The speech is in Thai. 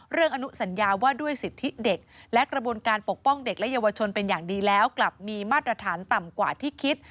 อนุสัญญาว่าด้วยสิทธิเด็กและกระบวนการปกป้องเด็กและเยาวชนเป็นอย่างดีแล้วกลับมีมาตรฐานต่ำกว่าที่คิด